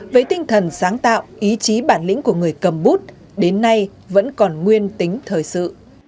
với tinh thần sáng tạo ý chí bản lĩnh của người cầm bút đến nay vẫn còn nguyên tính thời sự